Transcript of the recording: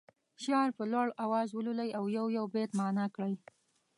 شعر په لوړ اواز ولولي او یو یو بیت معنا کړي.